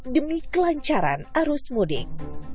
demi kelancaran arus mudik